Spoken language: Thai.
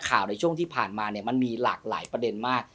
ข่าวในช่วงที่ผ่านมาเนี่ยมันมีหลากหลายประเด็นมาก